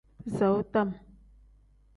Bisaawu tam.